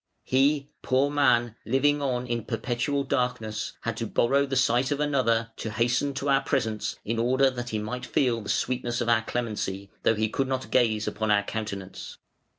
He, poor man, living on in perpetual darkness, had to borrow the sight of another to hasten to our presence in order that he might feel the sweetness of our clemency, though he could not gaze upon our countenance.